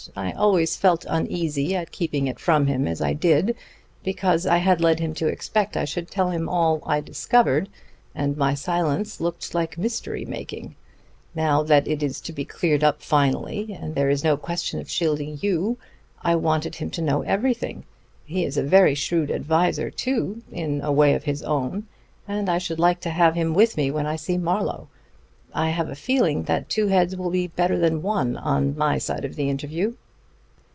I always felt uneasy at keeping it from him as I did, because I had led him to expect I should tell him all I discovered, and my silence looked like mystery making. Now that it is to be cleared up finally, and there is no question of shielding you, I wanted him to know everything. He is a very shrewd adviser, too, in a way of his own; and I should like to have him with me when I see Marlowe. I have a feeling that two heads will be better than one on my side of the interview."